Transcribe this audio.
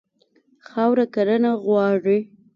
خاوره کرنه غواړي.